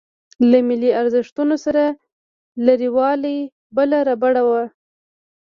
له ملي ارزښتونو سره لريوالۍ بله ربړه وه.